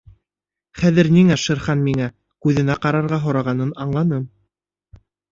— Хәҙер ниңә Шер Хан миңә... күҙенә ҡарарға һорағанын аңланым.